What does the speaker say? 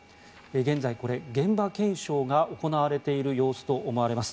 現在、現場検証が行われている様子と思われます。